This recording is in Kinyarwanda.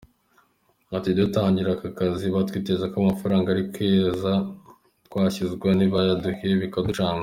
Bati “Dutangira akazi batwizeza ko amafaranga ari ku meza, twakwishyuza, ntibayaduhe bikaducanga.